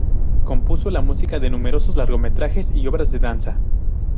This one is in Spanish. Compuso la música de numerosos largometrajes y obras de danza.